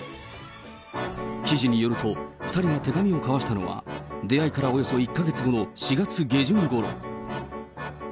記事によると、２人が手紙を交わしたのは、出会いからおよそ１か月後の４月下旬ごろ。